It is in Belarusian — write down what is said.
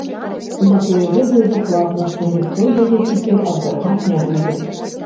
Затое ведаю дакладна, што ніхто яе цяпер абвяргаць не будзе.